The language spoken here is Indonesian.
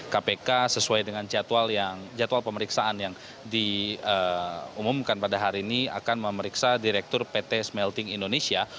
kpk sesuai dengan jadwal pemeriksaan yang diumumkan pada hari ini akan memeriksa direktur pt smelting indonesia